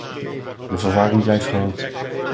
De verwarring blijft groot.